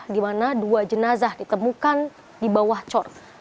dimana dua jenazah ditemukan di bawah cor